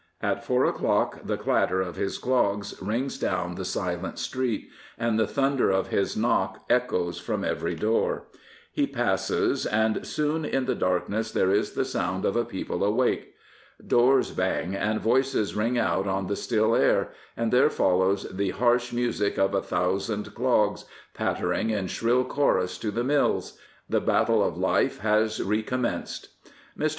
At four o'clock the clatter of his dogs rings down the silent street, and the thunder of his knock echoes from every door. He passes, 237 Prophets, Priests, and Kings und soon in the darkness there is the sound of a people awake. Doors bang, and voices ring out on the still air, and there follows the harsh music of a thousand c^s, pattering in shrill chorus to the mills. The battle of life has recommenced. Mr.